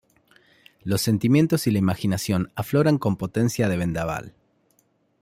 Los sentimientos y la imaginación afloran con potencia de vendaval.